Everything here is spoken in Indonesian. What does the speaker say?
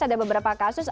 ada beberapa kasus